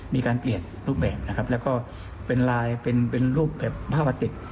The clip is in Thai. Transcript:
มีการเปลี่ยนรูปแบบนะครับแล้วก็เป็นลายเป็นรูปแบบผ้าบาติก